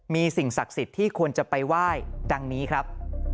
มีสิ่งศักดิ์สิทธิ์ที่ควรจะไปไหว้ดังนี้ครับ